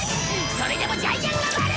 それでもジャイアンが悪い！